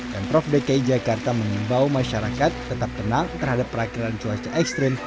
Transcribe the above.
pemprov dki jakarta mengimbau masyarakat tetap tenang terhadap perakhiran cuaca ekstrim